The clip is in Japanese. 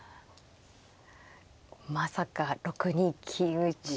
まさか６二金打と。